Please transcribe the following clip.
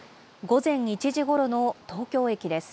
午前１時ごろの東京駅です。